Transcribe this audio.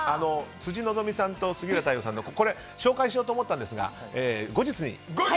辻希美さんと杉浦太陽さんのやつ紹介しようと思ったんですが後日に。